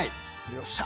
よっしゃ！